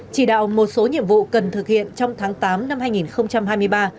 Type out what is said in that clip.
chỉ đạo một số nhiệm vụ cần thực hiện trong tháng tám năm hai nghìn hai mươi ba